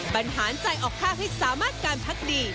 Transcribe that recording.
บรรหารจ่ายออกคากให้สามารถการพักดี